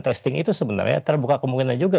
testing itu sebenarnya terbuka kemungkinan juga